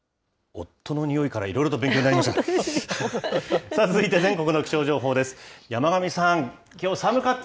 夫のにおいから、いろいろと勉強になりました。